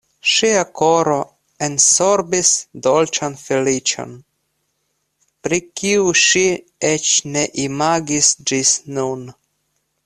Ŝia koro ensorbis dolĉan feliĉon, pri kiu ŝi eĉ ne imagis ĝis nun.